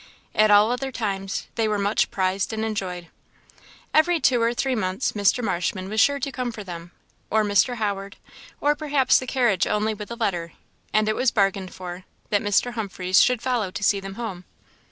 At all other times they were much prized and enjoyed. Every two or three months Mr. Marshman was sure to come for them, or Mr. Howard, or perhaps the carriage only with a letter; and it was bargained for, that Mr. Humphreys should follow to see them home.